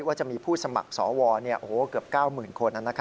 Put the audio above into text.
ว่าจะมีผู้สมัครสวเกือบ๙๐๐คน